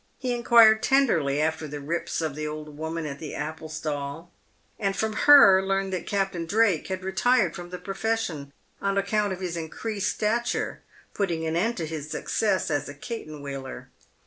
He inquired tenderly after the rips of the old woman at the apple stall, and from her learned that Captain Drake had retired from the profession, on account of his increased stature putting an end to his success as a cat en wheeler.